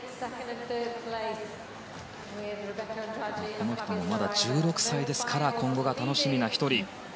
この人もまだ１６歳ですから今後が楽しみな１人。